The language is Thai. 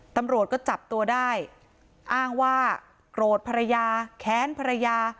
ตำรวจก็จับตัวได้อ้างว่าโกรธภรรยาแค้นภรรยา